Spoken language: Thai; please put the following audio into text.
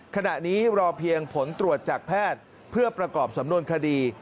ขณะนี้รอเพียงผลตรวจจากแพทย์เพื่อประกอบสำนวนคดี